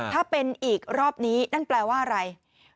ถ้าเป็นอีกรอบนี้นั่นแปลว่าอะไร